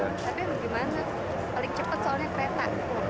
tapi bagaimana paling cepat soalnya kereta